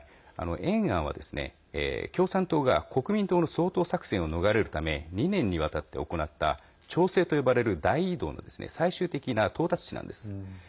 延安は、共産党が国民党の掃討作戦を逃れるため２年にわたって行った長征と呼ばれる大移動の最終的な到達地なんです。